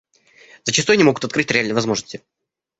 Зачастую они могут открыть реальные возможности.